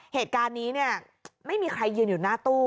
เหตุการณ์นี้เนี่ยไม่มีใครยืนอยู่หน้าตู้